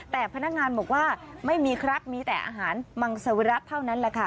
แต่พนักงานบอกว่าไม่มีครับมีแต่อาหารมังสวิรัติเท่านั้นแหละค่ะ